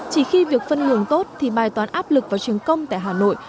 chỉ khi việc phân ngường tốt thì bài toán áp lực và trường công tại hà nội